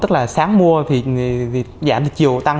tức là sáng mua thì giảm chiều tăng